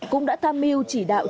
cũng đã tham mưu chỉ đạo